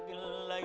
duduk ya tuhan